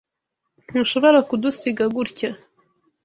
Ntushobora kudusiga gutya.